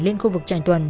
lên khu vực trại tuần